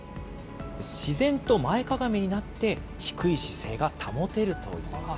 自然と前かがみになって、低い姿勢が保てるといいます。